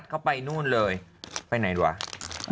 เขาไปนู่นเลยไปไหนวะ